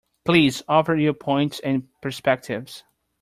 Please offer your points and perspectives.